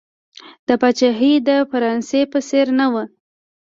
دا پاچاهي د فرانسې په څېر نه وه.